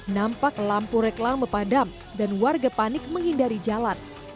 nampak lampu reklam mepadam dan warga panik menghindari jalan